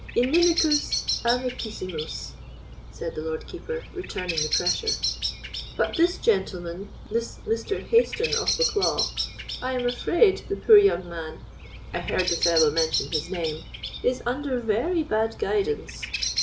"Inimicus amicissimus," said the Lord Keeper, returning the pressure; "but this gentleman—this Mr. Hayston of Bucklaw—I am afraid the poor young man—I heard the fellow mention his name—is under very bad guidance."